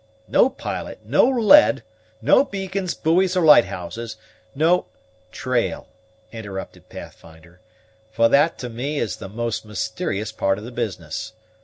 "No pilot, no lead, no beacons, buoys, or lighthouses, no " "Trail," interrupted Pathfinder; "for that to me is the most mysterious part of the business.